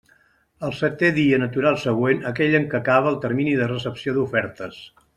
El seté dia natural següent a aquell en què acabe el termini de recepció d'ofertes.